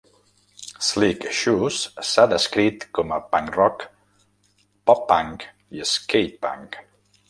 Slick Shoes s'ha descrit com a punk rock, pop punk i skate punk.